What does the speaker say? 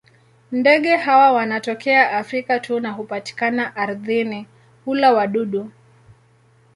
Ndege hawa wanatokea Afrika tu na hupatikana ardhini; hula wadudu.